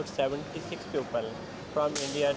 kita akan berkumpul kelas kemudian kenalan dengan beberapa orang